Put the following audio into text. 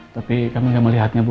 tapi kami nggak melihatnya bu